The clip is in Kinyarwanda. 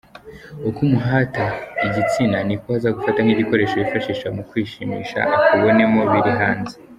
Uko umuhata igitsina niko azagufata nk’igikoresho yifashisha mu kwishimisha, akubonemo biri hanze, .